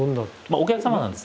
お客様なんです。